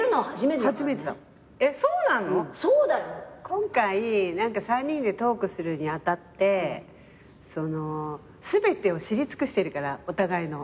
今回３人でトークするにあたって全てを知り尽くしてるからお互いの。